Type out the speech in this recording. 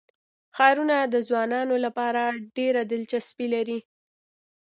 ښارونه د ځوانانو لپاره ډېره دلچسپي لري.